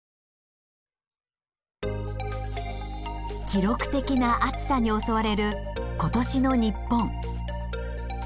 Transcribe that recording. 記録的な暑さに襲われる今年の日本。